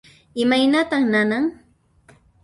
Imaynatan nanan?